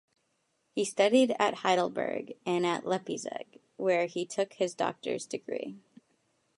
He studied at Heidelberg and at Leipzig, where he took his doctor's degree.